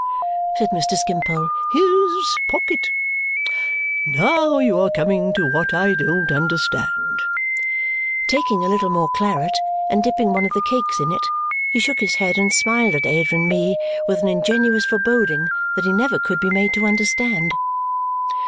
said Mr. Skimpole. "His pocket? Now you are coming to what I don't understand." Taking a little more claret and dipping one of the cakes in it, he shook his head and smiled at Ada and me with an ingenuous foreboding that he never could be made to understand.